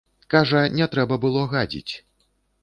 Кажа, не трэба было гадзіць.